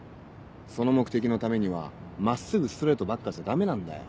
その目的のためには真っすぐストレートばっかじゃダメなんだよ。